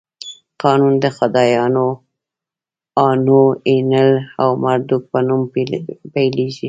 قانون د خدایانو آنو، اینلیل او مردوک په نوم پیلېږي.